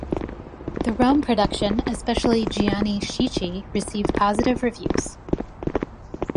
The Rome production, especially "Gianni Schicchi", received positive reviews.